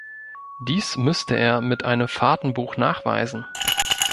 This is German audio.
Dies müsste er mit einem Fahrtenbuch nachweisen.